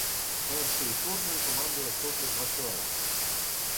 Першою сотнею командує сотник Василенко.